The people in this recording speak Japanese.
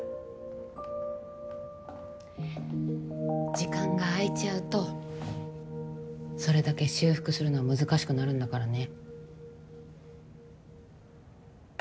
時間が空いちゃうとそれだけ修復するのは難しくなるんだからね。